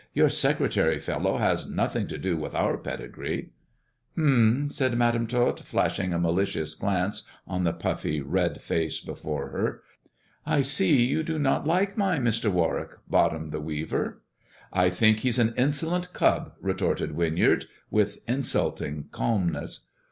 "Your secretary fellow has nothing to do with our pedigree." " H'm i '' said Madam Tot, flashing a malicious glance on THE dwarf's chamber 121 bhe puff J red face before faer. "I see you do not like my Mr. Warwick, Bottom the Weaver," " I think he's an insolent cub," retorted Winyard, with insulting calmness.